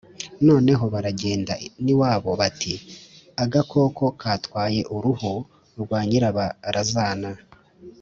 noneho baragenda n’iwabo bati ‘agakoko katwaye uruhu rwa nyirabarazana.’